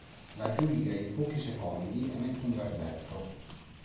La giuria in pochi secondi emette un verdetto.